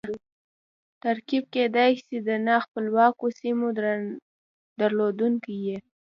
ترکیب کېدای سي د نا خپلواکو کیمو درلودونکی يي.